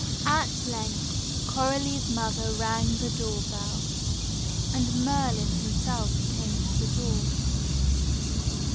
At length, Coralie's mother rang the door bell, and Merlin himself came to the door.